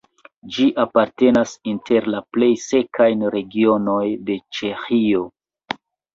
Ĝi apartenas inter la plej sekajn regionojn de Ĉeĥio.